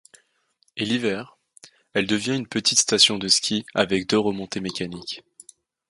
Et l'hiver, elle devient une petite station de ski avec deux remontées mécaniques.